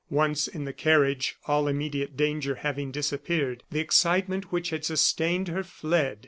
Once in the carriage, all immediate danger having disappeared, the excitement which had sustained her fled.